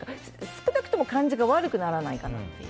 少なくとも感じが悪くならないかなと。